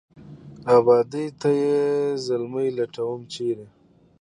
آبادۍ ته یې زلمي لټوم ، چېرې ؟